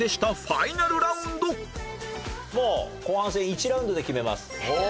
もう後半戦１ラウンドで決めます。